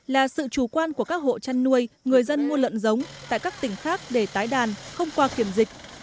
là sự chủ quan của các hộ chăn nuôi người dân mua lợn giống tại các tỉnh khác để tái đàn không qua kiểm dịch